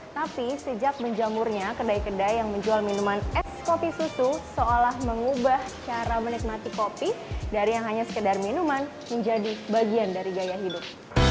tapi sejak menjamurnya kedai kedai yang menjual minuman es kopi susu seolah mengubah cara menikmati kopi dari yang hanya sekedar minuman menjadi bagian dari gaya hidup